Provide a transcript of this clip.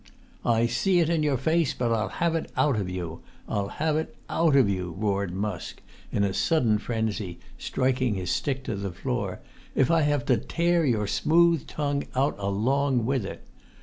"I see it in your face; but I'll have it out of you! I'll have it out of you," roared Musk, in a sudden frenzy, striking his stick to the floor, "if I have to tear your smooth tongue out along with it!